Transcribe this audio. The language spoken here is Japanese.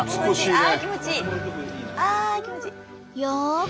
ああ気持ちいい！